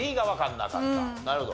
なるほど。